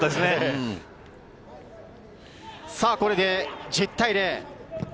これで１０対０。